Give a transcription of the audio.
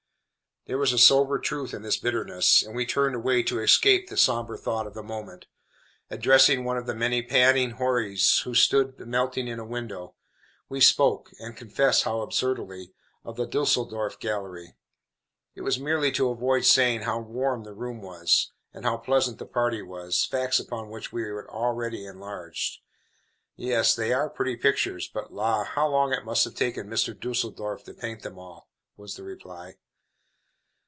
There was a sober truth in this bitterness, and we turned away to escape the sombre thought of the moment. Addressing one of the panting houris who stood melting in a window, we spoke (and confess how absurdly) of the Düsseldorf Gallery. It was merely to avoid saying how warm the room was, and how pleasant the party was, facts upon which we had already enlarged. "Yes, they are pretty pictures; but la! how long it must have taken Mr. Düsseldorf to paint them all;" was the reply.